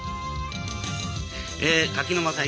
え柿沼さん